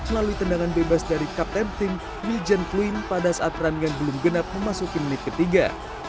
melalui tendangan bebas dari kapten tim miljan kluin pada saat peran yang belum genap memasuki menit ketiga